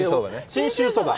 信州そば。